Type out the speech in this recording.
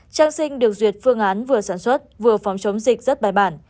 trang sinh được duyệt phương án vừa sản xuất vừa phòng chống dịch rất bài bản